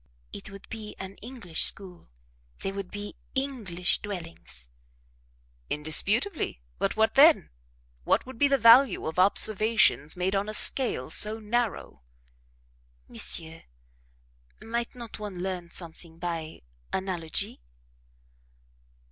"It would be an English school; they would be English dwellings." "Indisputably; but what then? What would be the value of observations made on a scale so narrow?" "Monsieur, might not one learn something by analogy?